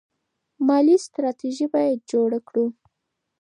مالي ستراتیژي باید جوړه کړو.